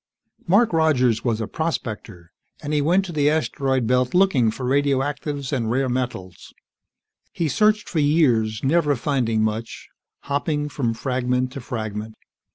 _ Mark Rogers was a prospector, and he went to the asteroid belt looking for radioactives and rare metals. He searched for years, never finding much, hopping from fragment to fragment.